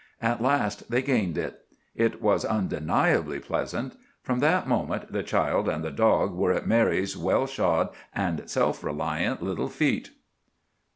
At last they gained it. It was undeniably pleasant. From that moment the child and the dog were at Mary's well shod and self reliant little feet.